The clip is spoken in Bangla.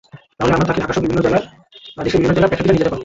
তাহলে আমরা তাঁকে ঢাকাসহ দেশের বিভিন্ন জেলার প্রেক্ষাগৃহে নিয়ে যেতে পারব।